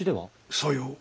さよう。